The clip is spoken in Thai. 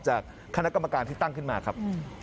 จากคณะกรรมการที่ตั้งขึ้นมาครับ